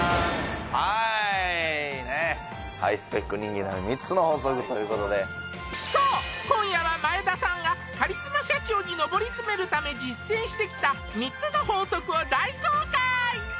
はーいねっハイスペック人間になれる３つの法則ということでそう今夜は前田さんがカリスマ社長に上り詰めるため実践してきた３つの法則を大公開